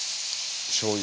しょうゆ。